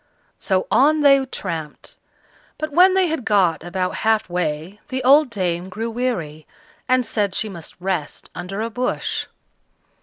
So on they tramped; but when they had got about half way, the old dame grew weary, and said she must rest under a bush.